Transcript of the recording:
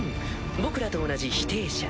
僕らと同じ否定者。